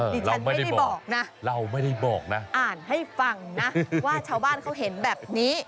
ดิฉันไม่ได้บอกนะอ่านให้ฟังนะว่าชาวบ้านเค้าเห็นแบบนี้